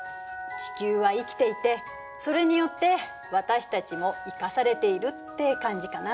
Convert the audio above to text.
地球は生きていてそれによって私たちも生かされているって感じかな。